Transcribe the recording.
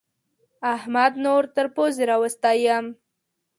احمد نور تر پوزې راوستی يم.